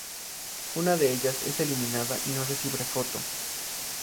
Una de ellas es eliminada y no recibe foto.